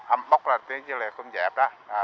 âm bốc là tiếng dưới lề cung dẹp đó